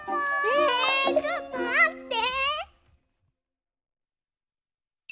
えちょっとまって！